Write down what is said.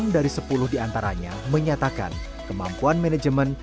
enam dari sepuluh diantaranya menyatakan kemampuan manajemen